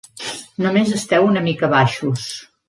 Només esteu una mica baixos.